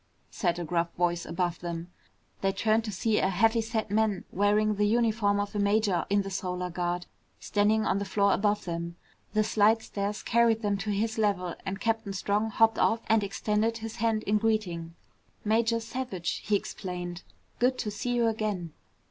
said a gruff voice above them. They turned to see a heavy set man wearing the uniform of a major in the Solar Guard, standing on the floor above them. The slidestairs carried them to his level and Captain Strong hopped off and extended his hand in greeting. "Major Savage!" he explained. "Good to see you again!"